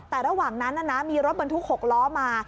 แต่ระหว่างนั้นมีรถบรรทุก๖ล้อมา